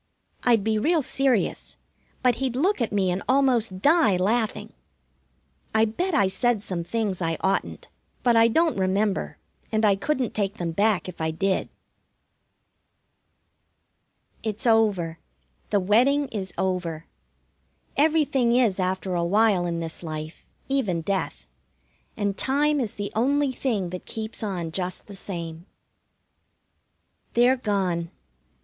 I'd be real serious, but he'd look at me and almost die laughing. I bet I said some things I oughtn't, but I don't remember, and I couldn't take them back if I did. It's over. The wedding is over. Everything is after a while in this life, even death; and time is the only thing that keeps on just the same. They're gone.